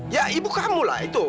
ya ibu kamu lah itu